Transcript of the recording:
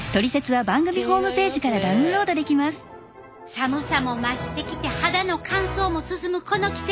寒さも増してきて肌の乾燥も進むこの季節。